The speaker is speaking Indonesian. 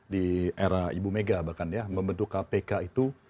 di era ibu mega bahkan ya membentuk kpk itu